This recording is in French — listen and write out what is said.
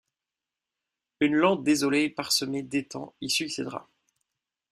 Une lande désolée parsemée d'étangs y succédera.